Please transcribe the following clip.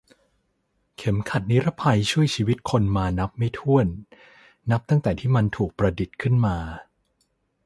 เข็มขัดนิรภัยช่วยชีวิตคนมานับไม่ถ้วนนับตั้งแต่ที่มันถูกประดิษฐ์ขึ้นมา